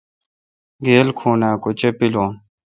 گیل کھوناں کہ چے° پِلون؟